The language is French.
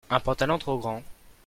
un pantalon trop grand.